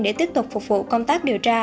để tiếp tục phục vụ công tác điều tra